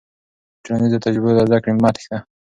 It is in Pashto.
د ټولنیزو تجربو له زده کړې مه تېښته.